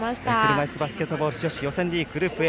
車いすバスケットボール女子予選リーググループＡ